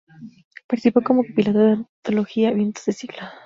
Participó como compilador de la antología "Vientos de siglo.